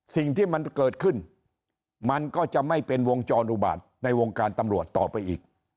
สิ่งที่มันเกิดขึ้นมันก็จะไม่เป็นวงจรอุบาตในวงการตำรวจต่อไปอีก